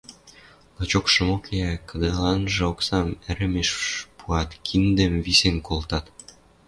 Лачокшымок йӓ: кыдыланжы оксам ӓрӹмеш пуат, киндӹм висен колтат